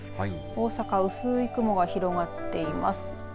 大阪、薄い雲が広がっています。